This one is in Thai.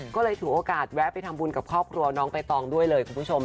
ก็เลยถือโอกาสแวะไปทำบุญกับครอบครัวน้องใบตองด้วยเลยคุณผู้ชม